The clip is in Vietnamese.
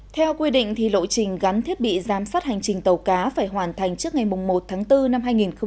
theo quy định thì lộ trình gắn thiết bị giám sát hành trình tàu cá phải hoàn thành trước ngày một tháng bốn năm hai nghìn hai mươi